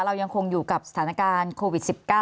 เรายังคงอยู่กับสถานการณ์โควิด๑๙